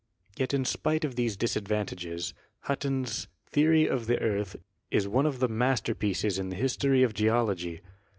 Yet in spite of these disadvantages, Hutton's "Theory of the Earth" is one of the masterpieces in the history of geology.